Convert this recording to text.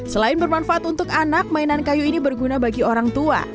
selain bermanfaat untuk anak mainan kayu ini berguna bagi orang tua